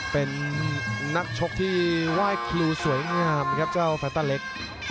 เป็นนักชกที่ไหว้ครูสวยงามครับเจ้าแฟต้าเล็ก